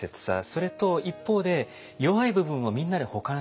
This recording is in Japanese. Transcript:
それと一方で弱い部分をみんなで補完し合うみたいな。